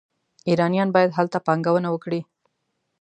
ایرانیان باید هلته پانګونه وکړي.